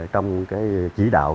trong cái chỉ đạo